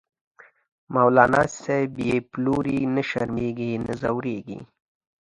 مولانا صاحب یی پلوری، نه شرمیزی نه ځوریږی